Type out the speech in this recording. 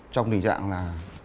trong tình trạng là